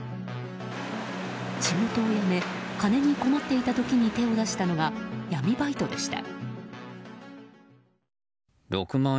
仕事を辞め、金に困っていた時に手を出したのが闇バイトでした。